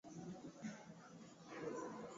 Ninapenda kuimba